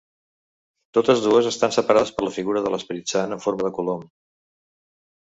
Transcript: Totes dues estan separades per la figura de l'Esperit Sant en forma de colom.